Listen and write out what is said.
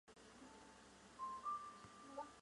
共产党是塞尔维亚的一个共产主义政党。